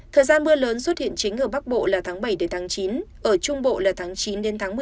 thời gian mưa lớn xuất hiện chính ở bắc bộ là tháng bảy đến tháng chín ở trung bộ là tháng chín đến tháng một mươi